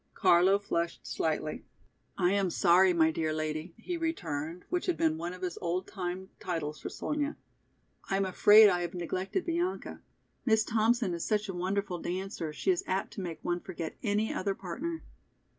Carlo flushed slightly. "I am sorry my dear lady," he returned, which had been one of his old time titles for Sonya. "I am afraid I have neglected Bianca. Miss Thompson is such a wonderful dancer, she is apt to make one forget any other partner."